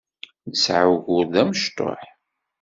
Nesɛa ugur d amecṭuḥ.